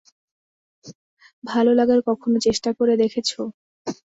ভালো লাগার কখনো চেষ্টা করে দেখেছো?